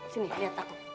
sini liat aku